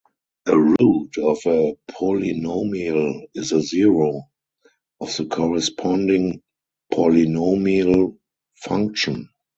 A root of a polynomial is a zero of the corresponding polynomial function.